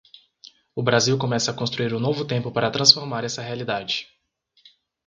O Brasil começa a construir um novo tempo para transformar essa realidade